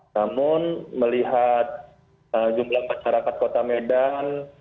namun melihat jumlah masyarakat kota medan